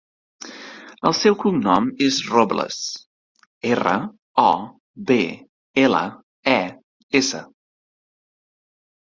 El seu cognom és Robles: erra, o, be, ela, e, essa.